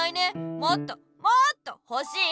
もっともっとほしい。